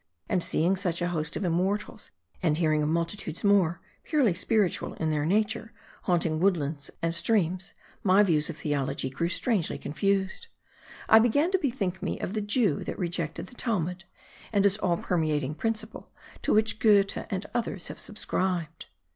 And seeing such a host of immortals, and hearing of multitudes more, purely spiritual in their nature, haunting woodlands and streams ; my views of theology grew strangely con fused ; I began to bethink me of the Jew that rejected the Talmud, and his all permeating principle, to which Goethe and others have subscribed.